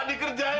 enak pencetan ya